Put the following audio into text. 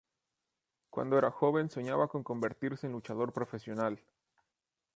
Cuando era joven, soñaba con convertirse en luchador profesional.